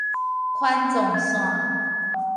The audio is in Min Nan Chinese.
環狀線